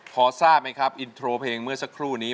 พอทราบไหมครับอินโทรเพลงเมื่อสักครู่นี้